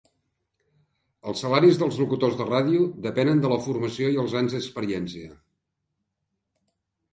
Els salaris dels locutors de ràdio depenen de la formació i els anys d'experiència.